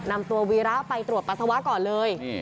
นำตัววีระไปตรวจปัสสาวะก่อนเลย